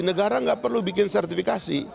negara nggak perlu bikin sertifikasi